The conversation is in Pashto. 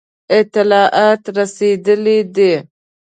اطلاعات رسېدلي دي.